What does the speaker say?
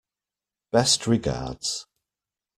Best regards.